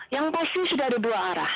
yang pasti sudah ada dua arah